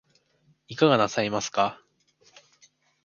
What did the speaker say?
いかがなさいますか